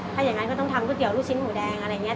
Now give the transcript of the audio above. ถ้าอย่างนั้นก็ต้องทำก๋วเตี๋ลูกชิ้นหมูแดงอะไรอย่างนี้